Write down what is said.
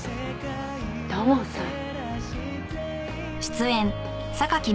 土門さん。